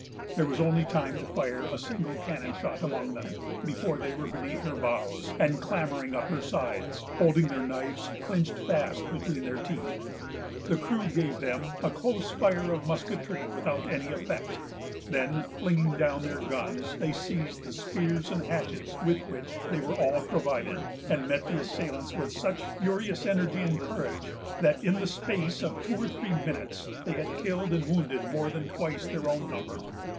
There was only time to fire a single cannon shot among them, before they were beneath her bows, and clambering up her sides, holding their knives clinched fast between their teeth. The crew gave them a close fire of musketry, without any effect; then, flinging down their guns, they seized the spears and hatchets with which they were all provided, and met the assailants with such furious energy and courage, that in the space of two or three minutes they had killed and wounded more than twice their own number.